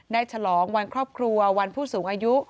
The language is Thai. ฉลองวันครอบครัววันผู้สูงอายุ